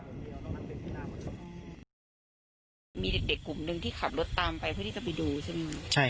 มีเด็กเด็กกลุ่มหนึ่งที่ขับรถตามไปเพื่อที่จะไปดูใช่ไหม